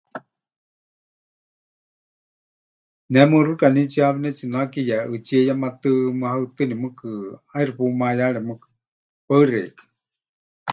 Ne muxɨkanitsíe ha pɨnetsinake yeʼɨtsíe yematɨ́, mɨhaɨtɨni mɨɨkɨ, ʼaixɨ pumayare mɨɨkɨ. Paɨ xeikɨ́a.